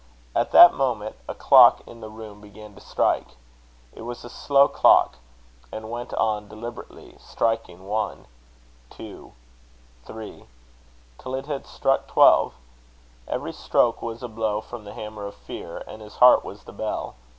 At that moment a clock in the room began to strike. It was a slow clock, and went on deliberately, striking one...two...three...till it had struck twelve. Every stroke was a blow from the hammer of fear, and his heart was the bell.